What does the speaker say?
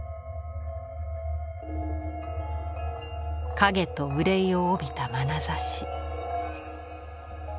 影と憂いを帯びたまなざし。